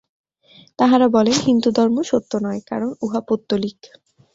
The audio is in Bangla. তাঁহারা বলেন, হিন্দুধর্ম সত্য নয়, কারণ উহা পৌত্তলিক।